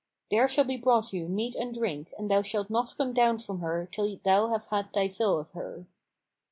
There shall be brought you meat and drink and thou shalt not come down from her till thou have had thy fill of her."